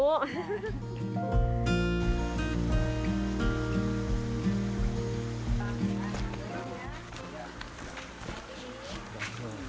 yang kecil kecil ya